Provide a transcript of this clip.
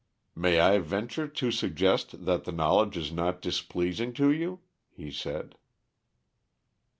"May I venture to suggest that the knowledge is not displeasing to you?" he said.